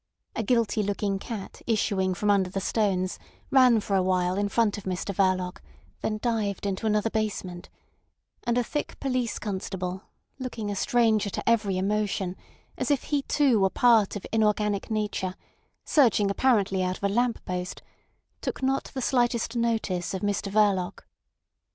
A guilty looking cat issuing from under the stones ran for a while in front of Mr Verloc, then dived into another basement; and a thick police constable, looking a stranger to every emotion, as if he too were part of inorganic nature, surging apparently out of a lamp post, took not the slightest notice of Mr Verloc.